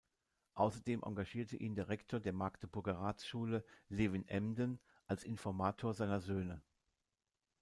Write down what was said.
Außerdem engagierte ihn der Rektor der Magdeburger Ratsschule, Levin Emden, als Informator seiner Söhne.